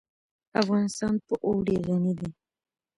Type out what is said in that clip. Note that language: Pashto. افغانستان په اوړي غني دی.